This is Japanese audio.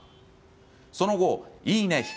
その後「いいね！